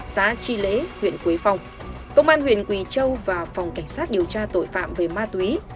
xã tri lễ huyện quế phong công an huyện quỳ châu và phòng cảnh sát điều tra tội phạm về ma túy